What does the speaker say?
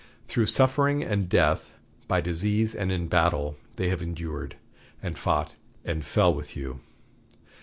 Through suffering and death, by disease and in battle, they have endured, and fought and fell with you.